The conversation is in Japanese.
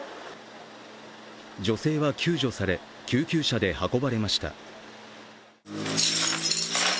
女性は救助され、救急車で運ばれました。